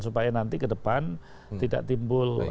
supaya nanti ke depan tidak timbul